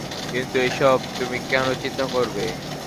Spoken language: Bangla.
কিন্তু এসব তুমি কেন চিন্তা করবে?